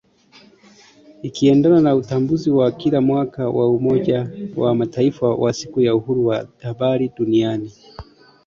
ikiendana na utambuzi wa kila mwaka wa Umoja wa Mataifa wa siku ya uhuru wa habari duniani